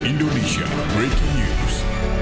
indonesia breaking news